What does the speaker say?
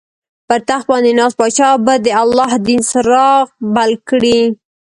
پر تخت باندې ناست پاچا به د الله دین څراغ بل کړي.